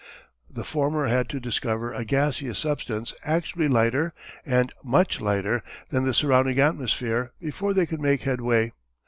The former had to discover a gaseous substance actually lighter, and much lighter, than the surrounding atmosphere before they could make headway.